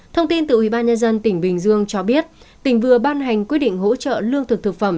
thông tin từ ubnd tỉnh bình dương cho biết tỉnh vừa ban hành quyết định hỗ trợ lương thực thực phẩm